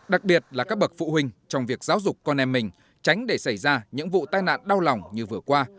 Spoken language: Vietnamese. đặc biệt là các bậc phụ huynh trong việc giáo dục con em mình tránh để xảy ra những vụ tai nạn đau lòng như vừa qua